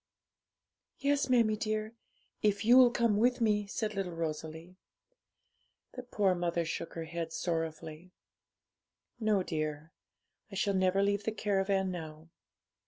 'Yes, mammie dear, if you'll come with me,' said little Rosalie. The poor mother shook her head sorrowfully. 'No, dear; I shall never leave the caravan now.